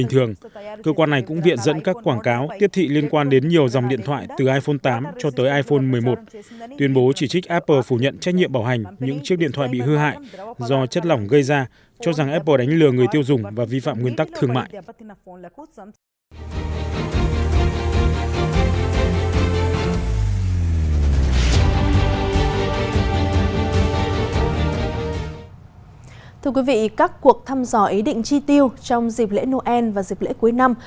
thưa quý vị các cuộc thăm dò ý định chi tiêu trong dịp lễ noel và dịp lễ cuối năm